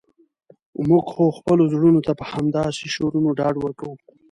موږ خو خپلو زړونو ته په همداسې شعرونو ډاډ ورکوو.